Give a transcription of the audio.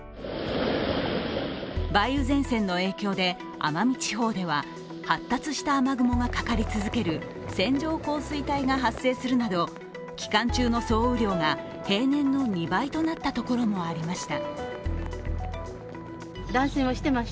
梅雨前線の影響で、奄美地方では発達した雨雲がかかり続ける線状降水帯が発生するなど期間中の総雨量が平年の２倍となったところもありました。